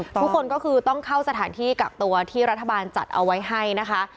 ทุกคนก็คือต้องเข้าสถานที่กักตัวที่รัฐบาลจัดเอาไว้ให้นะคะ